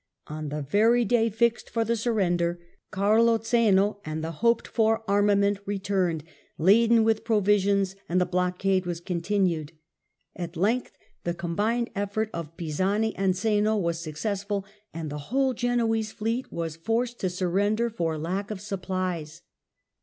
On the very day fixed for the surrender, Carlo Zeno and the hoped for armament re turned, laden with provisions, and the blockade was con tinued. At length the combined effort of Pisani and Zeno was successful, and the whole Genoese fleet was forced to surrender for lack of supplies.